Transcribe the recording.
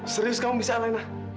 serius kamu bisa alena